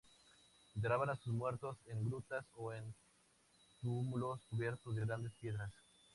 Enterraban a sus muertos en grutas o en túmulos cubiertos de grandes piedras.